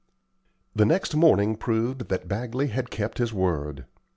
The next morning proved that Bagley had kept his word.